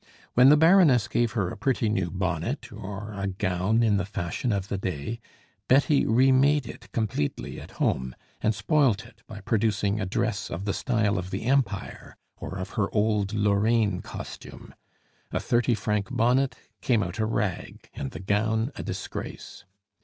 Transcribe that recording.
When the Baroness gave her a pretty new bonnet, or a gown in the fashion of the day, Betty remade it completely at home, and spoilt it by producing a dress of the style of the Empire or of her old Lorraine costume. A thirty franc bonnet came out a rag, and the gown a disgrace.